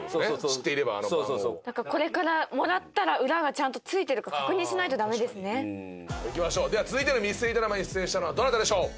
知っていればあの番号をこれからもらったら裏がちゃんとついてるか確認しないとダメですねいきましょうでは続いてのミステリードラマに出演したのはどなたでしょう？